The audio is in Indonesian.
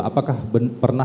apakah pernah bapak mendengar